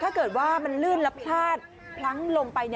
ถ้าเกิดว่ามันลื่นแล้วพลาดพลั้งลงไป